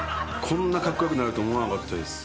こんなカッコ良くなると思わなかったです。